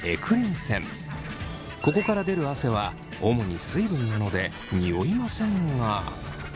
ここから出る汗は主に水分なのでにおいませんが。